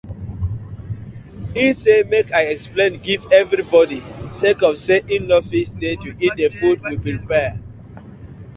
Im say mek I explain giv everi bodi sake of say im no fit stay to eat the food we prapare.